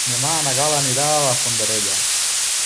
Demà na Gal·la anirà a Fondarella.